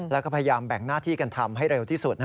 แล้วก็พยายามแบ่งหน้าที่กันทำให้เร็วที่สุด